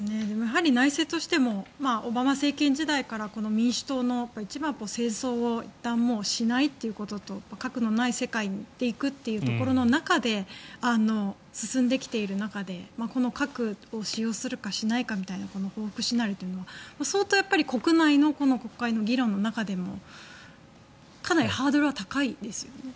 内政としてもオバマ政権時代から民主党の一番は、戦争をいったんもうしないということと核のない世界で行くというところの中で進んできている中でこの核を使用するかしないかみたいなこの報復シナリオは国内の国会の議論の中でもかなりハードルは高いですよね。